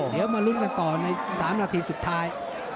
เดี๋ยวมาลุ้นกันต่อใน๓นาทีสุดท้าย